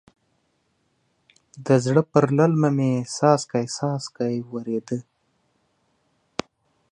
د زړه پر للمه مې څاڅکی څاڅکی ورېده.